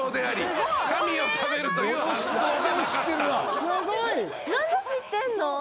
・すごい！何で知ってんの？